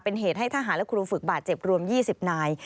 เป็นเหตุให้ทหารและครูฝึกบาดเจ็บรวม๒๐นาย